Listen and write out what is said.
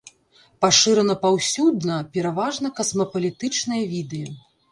Пашыраны паўсюдна, пераважна касмапалітычныя віды.